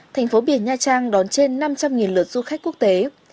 thành phố biển nha trang đón trên năm trăm linh lượt du khách quốc tế